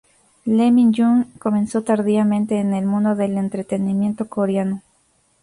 Lee Min-jung comenzó tardíamente en el mundo del entretenimiento coreano.